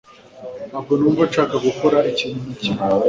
Ntabwo numva nshaka gukora ikintu na kimwe